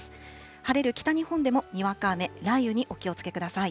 晴れる北日本でもにわか雨、雷雨にお気をつけください。